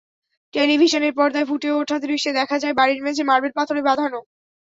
টেলিভিশনের পর্দায় ফুটে ওঠা দৃশ্যে দেখা যায়, বাড়ির মেঝে মার্বেল পাথরে বাঁধানো।